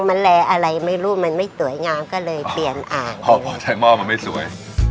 มันแลอะไรไม่รู้มันไม่สวยงามก็เลยเปลี่ยนอ่างพอพอใช้หม้อมันไม่สวย